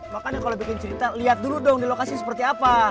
makanya kalau bikin cerita lihat dulu dong di lokasi seperti apa